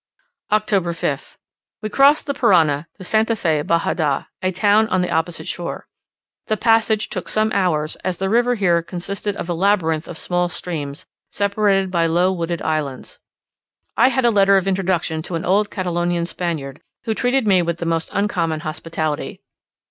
October 5th. We crossed the Parana to St. Fe Bajada, a town on the opposite shore. The passage took some hours, as the river here consisted of a labyrinth of small streams, separated by low wooded islands. I had a letter of introduction to an old Catalonian Spaniard, who treated me with the most uncommon hospitality.